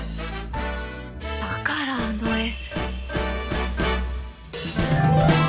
だからあの絵